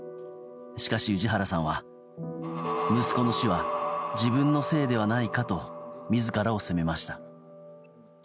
しかし氏原さんは、息子の死は自分のせいではないかと自らを責めました。